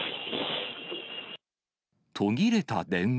途切れた電話。